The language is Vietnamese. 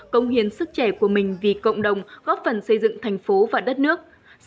công hiến sức trẻ của mình vì cộng đồng góp phần xây dựng thành phố và đất nước